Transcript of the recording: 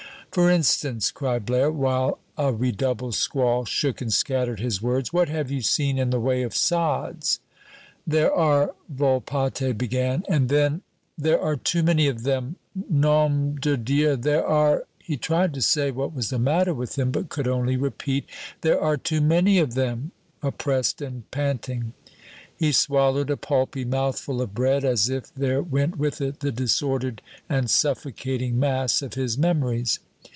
"For instance?" cried Blaire, while a redoubled squall shook and scattered his words; "what have you seen in the way of sods?" "There are " Volpatte began, "and then there are too many of them, nom de Dieu! There are " He tried to say what was the matter with him, but could only repeat, "There are too many of them!" oppressed and panting. He swallowed a pulpy mouthful of bread as if there went with it the disordered and suffocating mass of his memories.